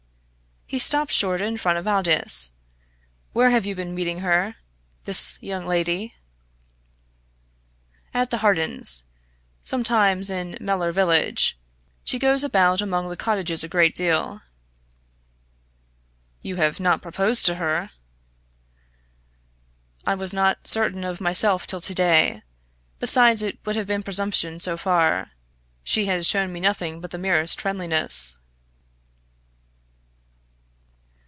He stopped short in front of Aldous. "Where have you been meeting her this young lady?" "At the Hardens' sometimes in Mellor village. She goes about among the cottages a great deal." "You have not proposed to her?" "I was not certain of myself till to day. Besides it would have been presumption so far. She has shown me nothing but the merest friendliness."